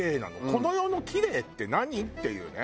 この世のキレイって何？っていうね。